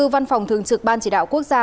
văn phòng thường trực ban chỉ đạo quốc gia